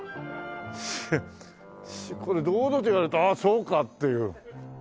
これ堂々と言われるとああそうかっていう。